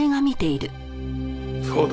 そうだ。